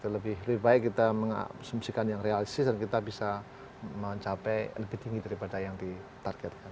lebih baik kita mengasumsikan yang realistis dan kita bisa mencapai lebih tinggi daripada yang ditargetkan